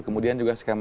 kemudian juga sebetulnya